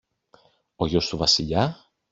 Ο γιος του Βασιλιά;